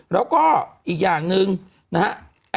แล้วก็อีกอย่างหนึ่งนะฮะ